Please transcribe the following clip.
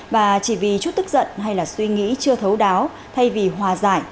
và chỉ vì chút tức giận hay là suy nghĩ chưa thấu đáo thay vì hòa giải